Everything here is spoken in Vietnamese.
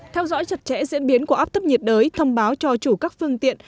theo dõi chặt chẽ diễn biến của áp thấp nhiệt đới thông báo cho chủ các phương tiện